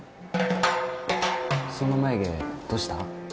その眉毛どうした？